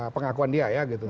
pengakuan dia ya